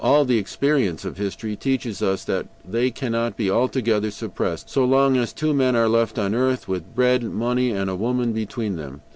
But all the experience of history teaches us that they cannot be altogether suppressed so long as two men are left on earth, with bread, money, and a woman between them.